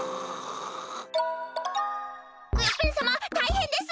クヨッペンさまたいへんです！